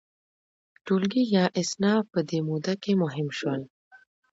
ټولګي یا اصناف په دې موده کې مهم شول.